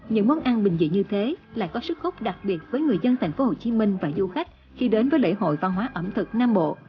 những món ăn bình dị như thế lại có sức khúc đặc biệt với người dân thành phố hồ chí minh và du khách khi đến với lễ hội văn hóa ẩm thực nam bộ